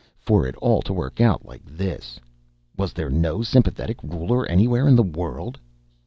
For it all to work out like this! Was there no sympathetic ruler anywhere in the world?